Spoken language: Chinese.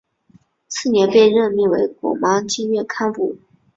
次年被任命为果芒经院堪布。